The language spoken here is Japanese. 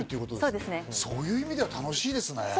という意味では楽しいですね。